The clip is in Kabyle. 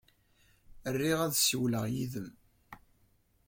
Riɣ ad ssiwleɣ yid-m.